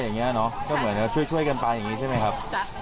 อย่างงี้เนอะก็เหมือนกับช่วยกันไปได้ใช่มั้ยครับ